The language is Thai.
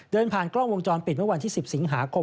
เดินผ่านกล้องวงจรปิดเมื่อวันที่๑๐สิงหาคม